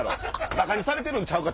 バカにされてるんちゃうか？